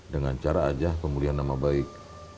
dengan cara aja pemulihan nama baik